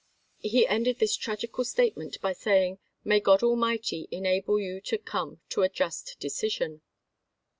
He ended this tragical state suraterand ment by saying, 'May God Almighty enable you p. ios.' to come to a just decision.'